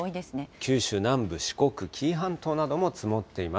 九州南部、四国、紀伊半島なども積もっています。